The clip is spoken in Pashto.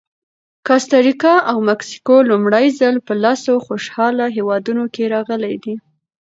کاستریکا او مکسیکو لومړی ځل په لسو خوشحاله هېوادونو کې راغلي دي.